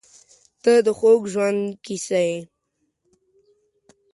• ته د خوږ ژوند کیسه یې.